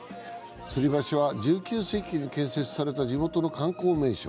つり橋は１９世紀に建設された地元の観光名所。